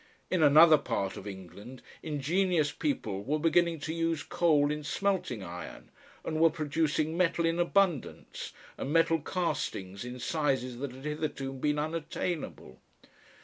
In another part of England ingenious people were beginning to use coal in smelting iron, and were producing metal in abundance and metal castings in sizes that had hitherto been unattainable.